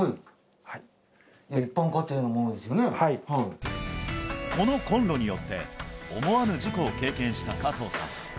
このこのコンロによって思わぬ事故を経験した加藤さん